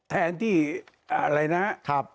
แทนที่อะไรน่ะ